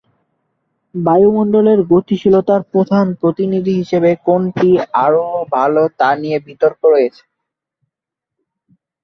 বায়ুমণ্ডলের গতিশীলতার প্রধান প্রতিনিধি হিসেবে কোনটি আরও ভালো তা নিয়ে বিতর্ক রয়েছে।